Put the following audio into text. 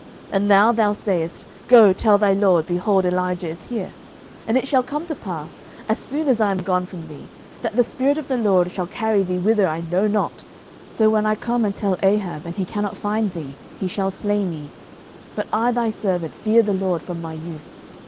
11:018:011 And now thou sayest, Go, tell thy lord, Behold, Elijah is here. 11:018:012 And it shall come to pass, as soon as I am gone from thee, that the Spirit of the LORD shall carry thee whither I know not; and so when I come and tell Ahab, and he cannot find thee, he shall slay me: but I thy servant fear the LORD from my youth.